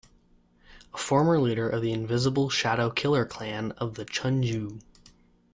A former leader of the Invisible Shadow Killer Clan of the Chunjoo.